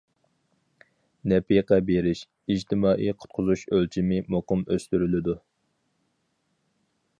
نەپىقە بېرىش، ئىجتىمائىي قۇتقۇزۇش ئۆلچىمى مۇقىم ئۆستۈرۈلىدۇ.